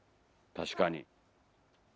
確かに。